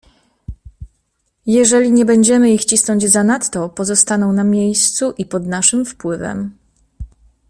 "Jeśli nie będziemy ich cisnąć zanadto, pozostaną na miejscu i pod naszym wpływem."